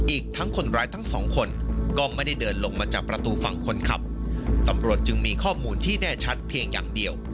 อีกทั้งคนร้ายทั้งสองคนก็ไม่ได้เดินลงมาจากประตูฝั่งคนขับตำรวจจึงมีข้อมูลที่แน่ชัดเพียงอย่างเดียว